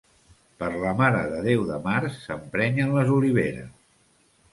Per la Mare de Déu de març s'emprenyen les oliveres.